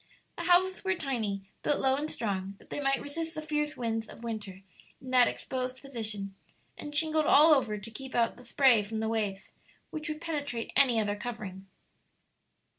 The houses were tiny, built low and strong, that they might resist the fierce winds of winter in that exposed position, and shingled all over to keep out the spray from the waves, which would penetrate any other covering.